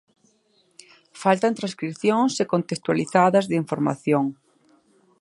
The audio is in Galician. Faltan transcricións e contextualizadas de información.